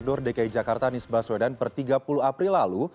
gubernur dki jakarta nisbah swedan per tiga puluh april lalu